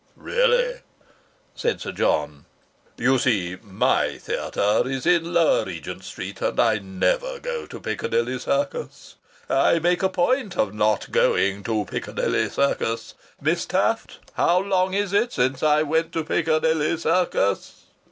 "Really!" said Sir John. "You see my theatre is in Lower Regent Street and I never go to Piccadilly Circus. I make a point of not going to Piccadilly Circus. Miss Taft, how long is it since I went to Piccadilly Circus?